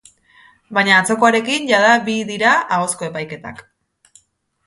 Baina atzokoarekin, jada bi dira ahozko epaiketak.